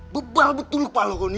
bebal betul kepala kau ini